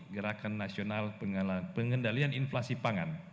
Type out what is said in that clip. gerakan nasional pengendalian inflasi pangan